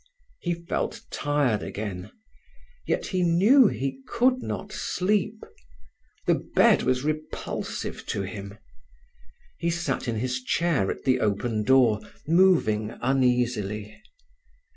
He felt tired again, yet he knew he could not sleep. The bed was repulsive to him. He sat in his chair at the open door, moving uneasily.